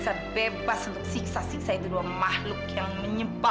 sampai jumpa di video berikutnya